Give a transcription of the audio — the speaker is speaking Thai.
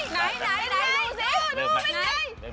เป็นไงเดี๋ยวรู้สิ